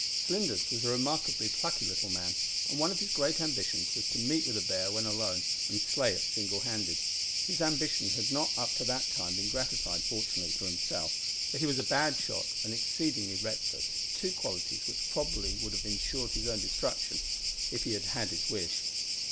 Flinders was a remarkably plucky little man, and one of his great ambitions was to meet with a bear, when alone, and slay it single handed. His ambition had not up to that time, been gratified, fortunately for himself, for he was a bad shot and exceedingly reckless, two qualities which would probably have insured his own destruction if he had had his wish.